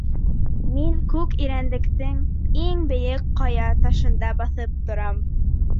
Мин Күк Ирәндектең иң бейек ҡая ташында баҫып торам.